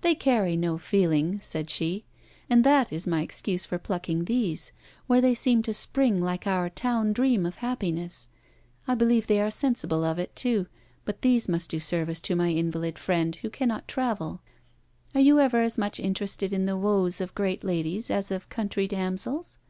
'They carry no feeling,' said she. 'And that is my excuse for plucking these, where they seem to spring like our town dream of happiness. I believe they are sensible of it too; but these must do service to my invalid friend, who cannot travel. Are you ever as much interested in the woes of great ladies as of country damsels?